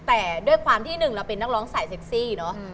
แต่ด้วยความที่หนึ่งเราเป็นนักร้องสายเซ็กซี่เนอะ